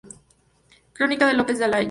Crónica de López de Ayala